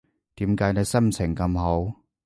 點解你心情咁好